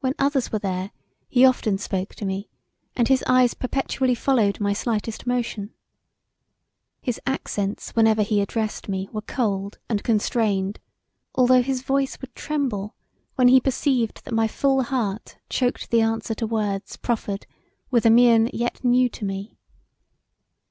When others were there he often spoke to me and his eyes perpetually followed my slightest motion. His accents whenever he addressed me were cold and constrained although his voice would tremble when he perceived that my full heart choked the answer to words proffered with a mien yet new to me.